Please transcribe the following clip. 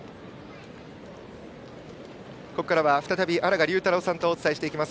ここからは再び荒賀龍太郎さんとお伝えしていきます。